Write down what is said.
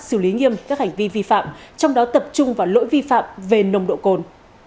xử lý nghiêm các hành vi vi phạm trong đó tập trung vào lỗi vi phạm về nồng độ cồn